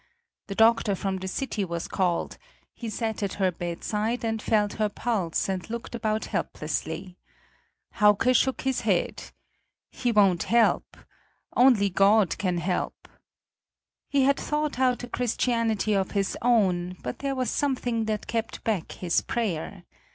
The doctor from the city was called, he sat at her bedside and felt her pulse and looked about helplessly. Hauke shook his head: "He won't help; only God can help!" He had thought out a Christianity of his own, but there was something that kept back his prayer.